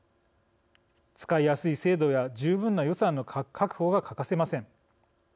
使いやすい制度や十分な予算の確保が欠かせません。